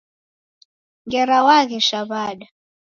Ngera waghesha wada?